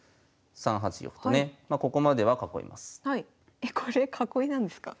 えこれ囲いなんですか？